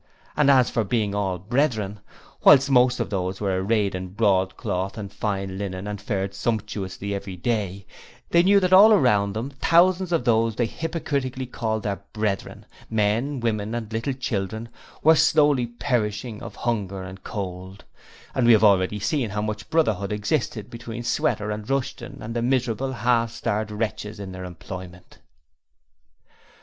And as for being all brethren, whilst most of these were arrayed in broadcloth and fine linen and fared sumptuously every day, they knew that all around them thousands of those they hypocritically called their 'brethren', men, women and little children, were slowly perishing of hunger and cold; and we have already seen how much brotherhood existed between Sweater and Rushton and the miserable, half starved wretches in their employment.